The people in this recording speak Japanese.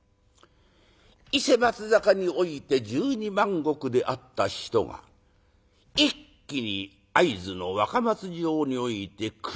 伊勢・松坂において１２万石であった人が一気に会津の若松城において９２万石。